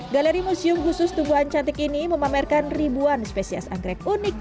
galeri museum khusus tumbuhan cantik ini memamerkan ribuan spesies anggrek unik